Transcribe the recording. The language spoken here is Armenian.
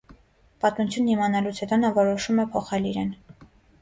Պատմությունն իմանալուց հետո նա որոշում է փոխել իրեն։